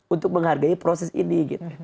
untuk menghargai proses ini